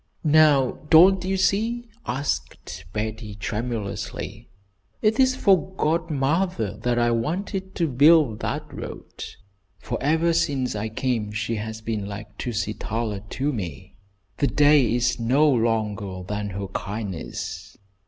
"Now, don't you see?" asked Betty, tremulously, "It is for godmother that I wanted to build that road, for ever since I came she has been like Tusitala to me. 'The day is no longer than her kindness.'